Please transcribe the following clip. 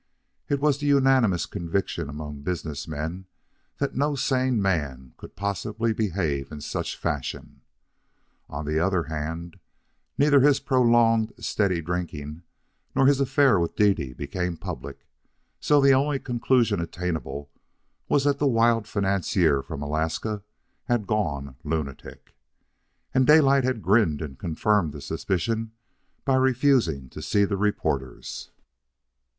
It was the unanimous conviction among business men that no sane man could possibly behave in such fashion. On the other hand, neither his prolonged steady drinking nor his affair with Dede became public, so the only conclusion attainable was that the wild financier from Alaska had gone lunatic. And Daylight had grinned and confirmed the suspicion by refusing to see the reporters.